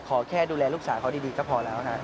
ขอแค่ดูแลลูกสาวเขาดีก็พอแล้วนะ